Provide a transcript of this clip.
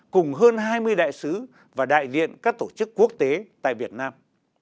cùng hơn hai mươi đại sứ và đại diện các tổ chức quốc tế tại việt nam